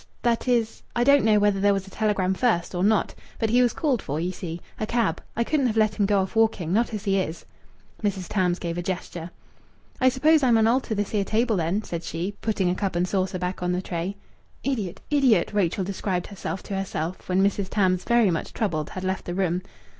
That is, I don't know whether there was a telegram first, or not. But he was called for, you see. A cab. I couldn't have let him go off walking, not as he is." Mrs. Tarns gave a gesture. "I suppose I mun alter this 'ere table, then," said she, putting a cup and saucer back on the tray. "Idiot! Idiot!" Rachel described herself to herself, when Mrs. Tams, very much troubled, had left the room.